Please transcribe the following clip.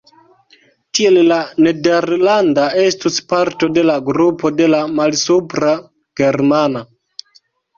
Tiel la nederlanda estus parto de la grupo de la malsupra germana.